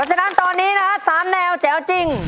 แล้วฉะนั้นตอนนี้นะครับสามแนวแจ้วจริง